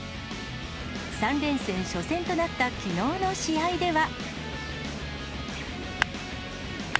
３連戦初戦となったきのうの試合では。